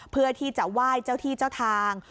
เพื่อที่จะไหว้เจ้าที่เจ้าทาง